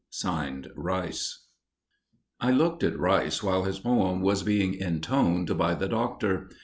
Signed RICE. I looked at Rice while his poem was being intoned by the Doctor.